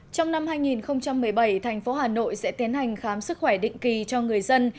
trong năm hai nghìn một mươi bảy thành phố hà nội sẽ tiến hành khám sức khỏe định kỳ cho người dân